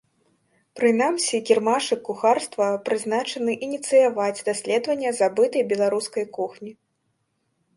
Прынамсі кірмашык кухарства прызначаны ініцыяваць даследаванне забытай беларускай кухні.